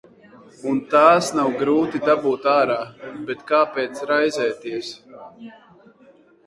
Un tās nav grūti dabūt ārā, bet kāpēc raizēties?